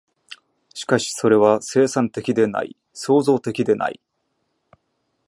しかしそれは生産的でない、創造的でない。